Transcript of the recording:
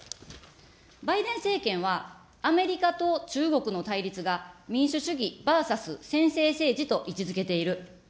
バイデン政権は、アメリカと中国の対立が民主主義ＶＳ専制主義と位置づけている。